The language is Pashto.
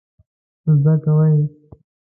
څه زده کوئ؟